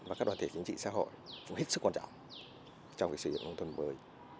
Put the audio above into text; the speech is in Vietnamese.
và các đoàn thể chính trị xã hội cũng hết sức quan trọng trong xây dựng nông thôn mới